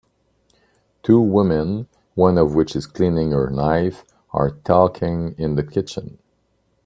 Two woman, one of which is cleaning her knife, are talking in the kitchen.